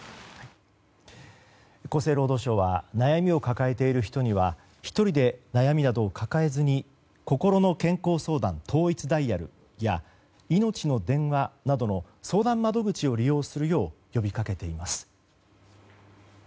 厚生労働省は悩みを抱えている人には１人で悩みなどを抱えずにこころの健康相談統一ダイヤルやいのちの電話などの相談窓口を利用するよう呼びかけています。